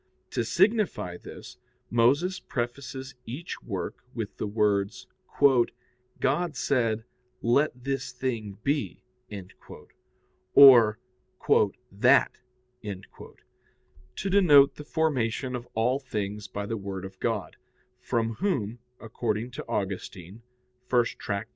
To signify this, Moses prefaces each work with the words, "God said, Let this thing be," or "that," to denote the formation of all things by the Word of God, from Whom, according to Augustine [*Tract.